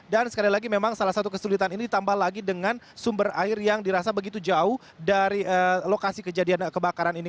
dan sekali lagi memang salah satu kesulitan ini ditambah lagi dengan sumber air yang dirasa begitu jauh dari lokasi kejadian kebakaran ini